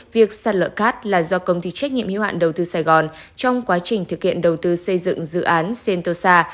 việc sạt lở cát là do công ty trách nhiệm hiếu hạn đầu tư sài gòn trong quá trình thực hiện đầu tư xây dựng dự án centosa